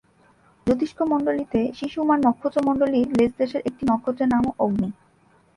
জ্যোতিষ্কমন্ডলীতে শিশুমার নক্ষত্রমন্ডলীর লেজদেশের একটি নক্ষত্রের নামও অগ্নি।